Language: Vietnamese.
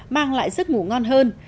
mang lại giấc ngủ ngon hơn